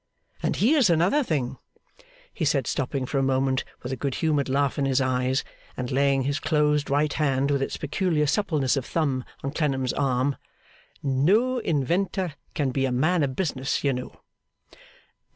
And here's another thing,' he said, stopping for a moment with a good humoured laugh in his eyes, and laying his closed right hand, with its peculiar suppleness of thumb, on Clennam's arm, 'no inventor can be a man of business, you know.